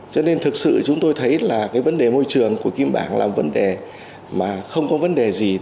cho nên thực sự chúng tôi thấy là cái vấn đề môi trường của kim bảng là vấn đề mà không có vấn đề gì